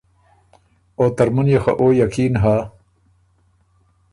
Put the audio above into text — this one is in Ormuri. او ترمُن يې خه او یقین هۀ